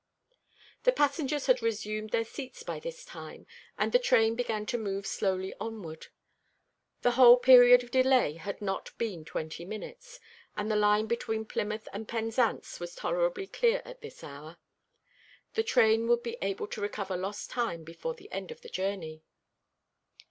The passengers had resumed their seats by this time, and the train began to move slowly onward. The whole period of delay had not been twenty minutes, and the line between Plymouth and Penzance was tolerably clear at this hour. The train would be able to recover lost time before the end of the journey.